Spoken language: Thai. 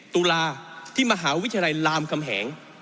ตุลาที่มหาวิทยาลัยรามคำแหง